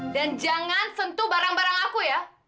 dan jangan sentuh barang barang aku ya